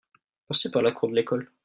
passer par la cour de l'école.